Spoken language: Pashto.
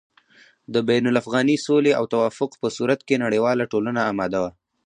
د بين الافغاني سولې او توافق په صورت کې نړېواله ټولنه اماده وه